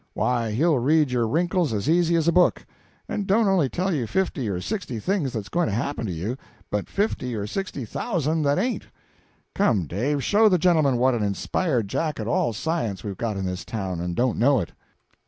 Why, he'll read your wrinkles as easy as a book, and not only tell you fifty or sixty things that's going to happen to you, but fifty or sixty thousand that ain't. Come, Dave, show the gentlemen what an inspired Jack at all science we've got in this town, and don't know it."